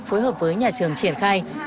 phối hợp với nhà trường triển khai